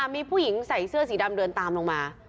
มีผู้หญิงใส่เสื้อสีดำเดินตามลงมา